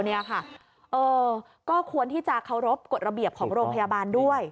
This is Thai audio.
ก็ควรที่จะเคารพกฎระเบียบของโรงพยาบาลด้วย